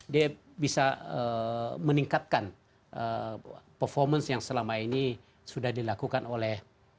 dia bisa meningkatkan performance yang selama ini sudah dilakukan oleh